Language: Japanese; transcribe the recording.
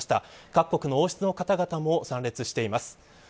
各国の王室の方々も参列しています。